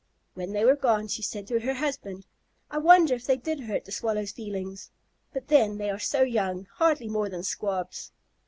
When they were gone, she said to her husband, "I wonder if they did hurt the Swallow's feelings? But then, they are so young, hardly more than Squabs."